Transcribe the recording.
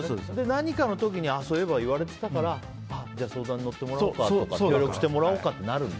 何かの時に言われてたから相談に乗ってもらおうか協力してもらおうかってなるんだ。